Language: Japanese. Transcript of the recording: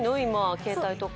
携帯とか。